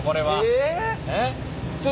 えっ？